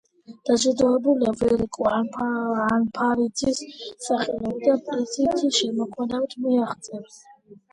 დაჯილდოებულია ვერიკო ანჯაფარიძის სახელობის პრიზით შემოქმედებითი მიღწევებისათვის.